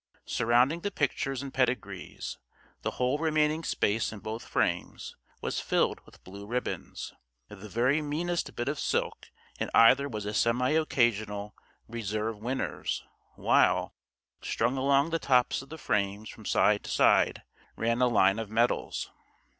Surrounding the pictures and pedigrees, the whole remaining space in both frames was filled with blue ribbons the very meanest bit of silk in either was a semi occasional "Reserve Winners" while, strung along the tops of the frames from side to side, ran a line of medals.